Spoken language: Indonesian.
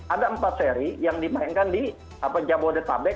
ada empat seri yang dimainkan di jabodetabek